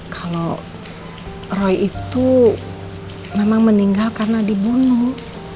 kalau roy itu memang meninggal karena dibunuh